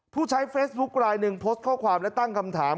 ผู้ใช้เฟซบุ๊คลายหนึ่งโพสต์ข้อความและตั้งคำถาม